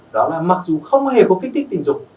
đó là mặc dù không hề có kích thích tình dục